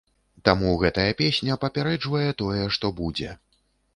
Таму гэтая песня папярэджвае тое, што будзе.